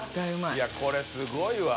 いやこれすごいわ。